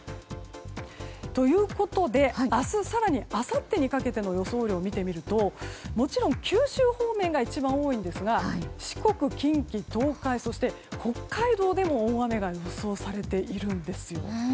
ということで明日、更にあさってにかけて予想雨量を見てみるともちろん九州方面が一番多いんですが四国、近畿、東海そして北海道でも大雨が予想されているんですよ。